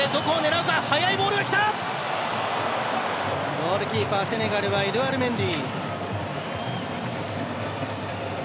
ゴールキーパーセネガルはエドゥアール・メンディ。